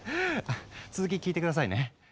続き聞いて下さいね。